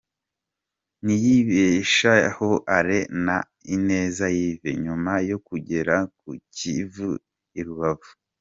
Niyibeshaho Alain na Ineza Yves nyuma yo kugera ku Kivu i Rubavu.